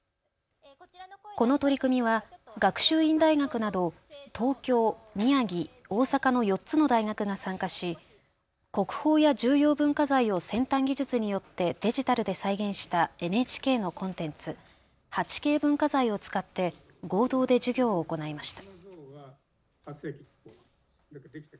この取り組みは学習院大学など東京、宮城、大阪の４つの大学が参加し国宝や重要文化財を先端技術によってデジタルで再現したＮＨＫのコンテンツ、８Ｋ文化財を使って合同で授業を行いました。